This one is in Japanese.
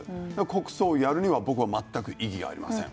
国葬をやるには僕は全く異議がありません。